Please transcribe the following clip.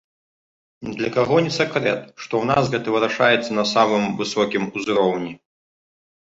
Ні для каго не сакрэт, што ў нас гэта вырашаецца на самым высокім узроўні.